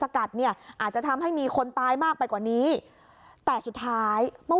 กัดเนี่ยอาจจะทำให้มีคนตายมากไปกว่านี้แต่สุดท้ายเมื่อ